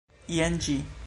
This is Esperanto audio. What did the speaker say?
Jen ĝi!